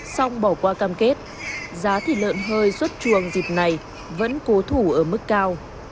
xong bỏ qua cam kết giá thịt lợn hơi xuất chuồng dịp này vẫn cố thủ ở mức cao